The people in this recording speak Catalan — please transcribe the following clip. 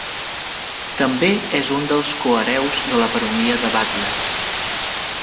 També és un dels cohereus de la baronia de Butler.